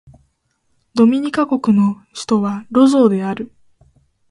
ドミニカ国の首都はロゾーである